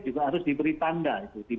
juga harus diberi tanda